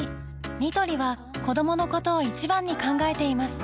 ニトリは子どものことを一番に考えています